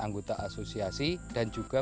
anggota asosiasi dan juga